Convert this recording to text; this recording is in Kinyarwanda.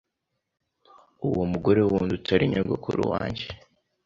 Uwo mugore wundi utari nyogokuru wange